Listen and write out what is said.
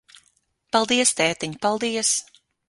Paldies, tētiņ, paldies.